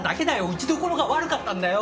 打ちどころが悪かったんだよ。